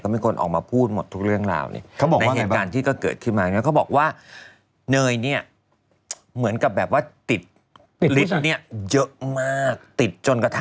ที่เป็นนักบินอยู่แอร์เอเชียนะใช่ใช่